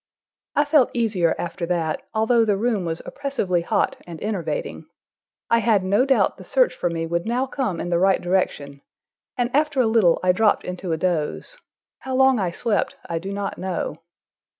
I felt easier after that, although the room was oppressively hot and enervating. I had no doubt the search for me would now come in the right direction, and after a little, I dropped into a doze. How long I slept I do not know.